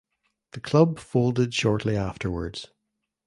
The club folded shortly afterwards.